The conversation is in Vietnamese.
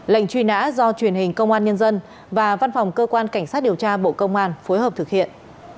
lệnh truy nã do truyền hình công an nhân dân và văn phòng cơ quan cảnh sát điều tra bộ công an phối hợp thực hiện